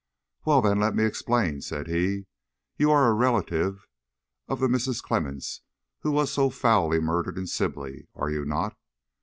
"Well, then, let me explain," said he. "You are a relative of the Mrs. Clemmens who was so foully murdered in Sibley, are you not?